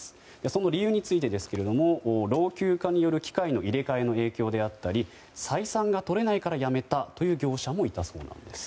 その理由についてですが老朽化による機械の入れ替えの影響であったり採算が取れないからやめたという業者もいたそうです。